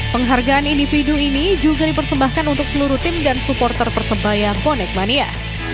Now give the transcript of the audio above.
penghargaan individu ini juga dipersembahkan untuk seluruh tim dan supporter persebaya bonek mania